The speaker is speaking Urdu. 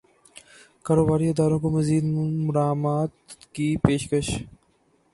کاروباری اداروں کو مزید مراعات کی پیشکش